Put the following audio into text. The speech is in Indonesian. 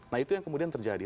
nah itu yang kemudian terjadi